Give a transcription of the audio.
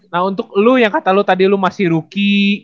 nah untuk lu yang kata lu tadi masih rookie